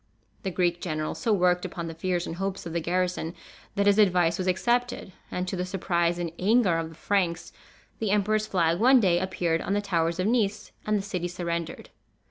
The Greek general so worked upon the fears and hopes of the garrison, that his advice was accepted; and, to the surprise and anger of the Franks, the emperor's flag one day appeared on the towers of Nice, and the city surrendered.